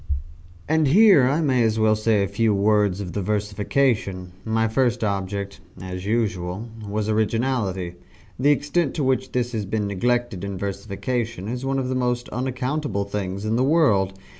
And here I may as well say a few words of the versification. My first object (as usual) was originality. The extent to which this has been neglected in versification is one of the most unaccountable things in the world.